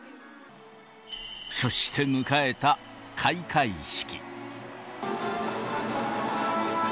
そして迎えた開会式。